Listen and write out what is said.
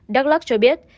đắk lắc cho biết